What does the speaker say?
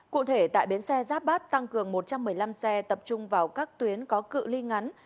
cụ thể tại bến xe giáp bát tăng cường một trăm một mươi năm xe tập trung vào các tuyến có cự li ngắn